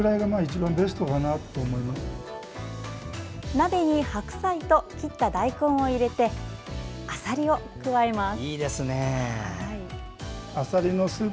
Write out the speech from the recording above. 鍋に、白菜と切った大根を入れてあさりを加えます。